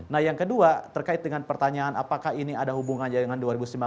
nah yang kedua terkait dengan pertanyaan apakah ini ada hubungannya dengan dua ribu sembilan belas